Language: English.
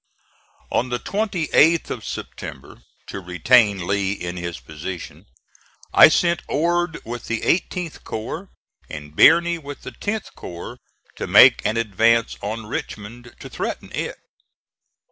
On the 28th of September, to retain Lee in his position, I sent Ord with the 18th corps and Birney with the 10th corps to make an advance on Richmond, to threaten it.